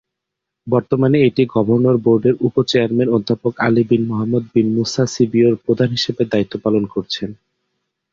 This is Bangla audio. বর্তমানে, এটি গভর্নর বোর্ডের উপ-চেয়ারম্যান অধ্যাপক আলী বিন মোহাম্মদ বিন মুসা সিবিও’র প্রধান হিসেবে দায়িত্ব পালন করছেন।